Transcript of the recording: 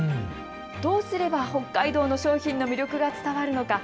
どうすれば北海道の商品の魅力が伝わるのか。